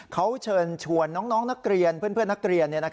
เขาเชิญชวนน้องนักเรียนเพื่อนนักเรียน